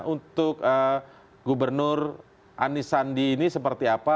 untuk gubernur anisandi ini seperti apa